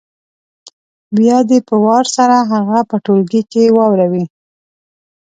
بیا دې په وار سره هغه په ټولګي کې واوروي